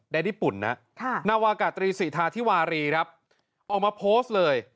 ได้ดิปุ่นนะนาวากาตรีสิทธาทิวารีออกมาโพสต์เลย